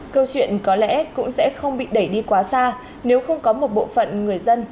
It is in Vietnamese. câu chuyện có lẽ cũng sẽ không bị đẩy đi quá xa nếu không có một bộ phận người dân